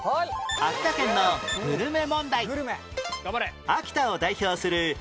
秋田県のグルメ問題